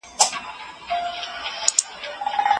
خدای ج بخښونکی او مهربان دی.